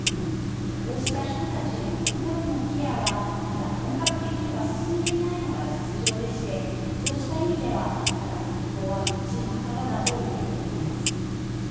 こうした人たちへの心のケアはまだ本格的には進んでいないのが実情でしてそうした意味ではまだ復興は道半ばだと言えると思います。